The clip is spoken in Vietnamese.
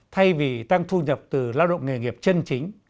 thay vì tăng thu nhập từ lao động nghề nghiệp chân chính